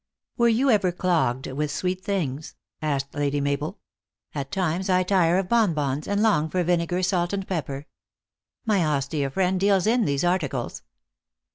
" Were you ever clogged with sweet things ?" asked Lady Mabel. " At times I tire of bonbons, and long for vinegar, salt and pepper. My austere friend deals in these articles."